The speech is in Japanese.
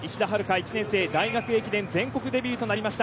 １年生大学駅伝全国デビューとなりました。